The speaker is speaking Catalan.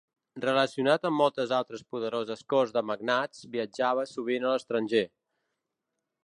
Relacionat amb moltes altres poderoses corts de magnats, viatjava sovint a l'estranger.